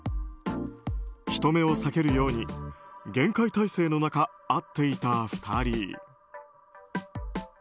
人目を避けるように厳戒態勢の中、会っていた２人。